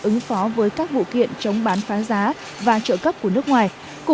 ứng phó với các vụ kiện chống bán phá giá và trợ cấp của nước ngoài